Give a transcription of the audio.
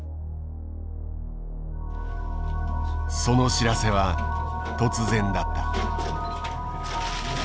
その知らせは突然だった。